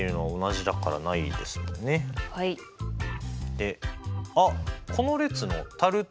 であっこの列のタルト